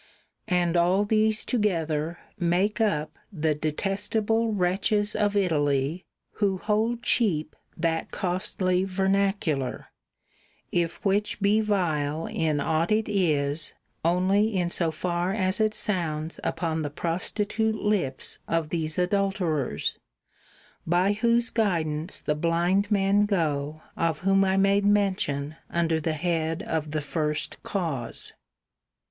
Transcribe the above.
And all these together make up the detestable wretches of Italy who hold cheap that costly vernacular, if which be vile in ought it is [150^ only in so far as it sounds upon the prostitute lips of these adulterers, by whose guidance the blind men go of whom I made mention under the head of the first cause.